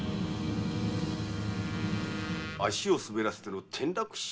足を滑らせての転落死？